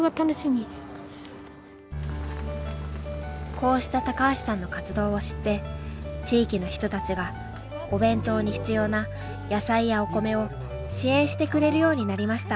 こうした高橋さんの活動を知って地域の人たちがお弁当に必要な野菜やお米を支援してくれるようになりました。